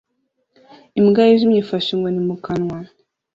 imbwa yijimye ifashe inkoni mu kanwa